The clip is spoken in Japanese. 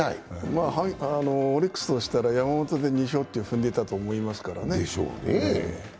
オリックスとしたら山本で２勝と踏んでたと思いますからね。